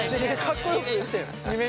かっこよく言ってよ。